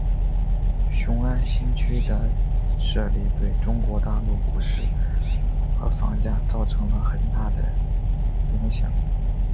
雄安新区的设立对中国大陆股市和房价造成了很大的影响。